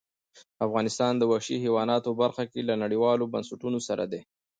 افغانستان د وحشي حیواناتو برخه کې له نړیوالو بنسټونو سره دی.